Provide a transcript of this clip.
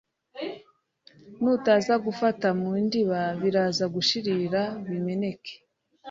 nutaza gufata mu ndiba biraza gushirira bimeneke